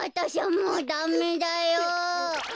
もうダメだよ。